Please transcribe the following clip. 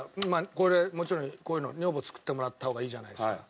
これもちろんこういうの女房に作ってもらった方がいいじゃないですか。